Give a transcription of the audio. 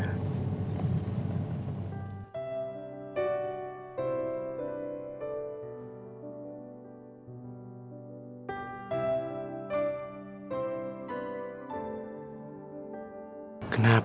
itu dia yang minta maaf sama aku